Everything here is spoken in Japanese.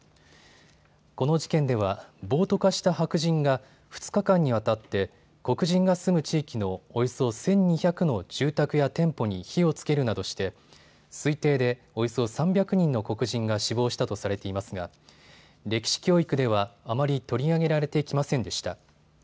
この事件では暴徒化した白人が２日間にわたって黒人が住む地域のおよそ１２００の住宅や店舗に火をつけるなどして推定でおよそ３００人の黒人が死亡したとされていますが歴史教育ではあまり取り上げられてきませんでした。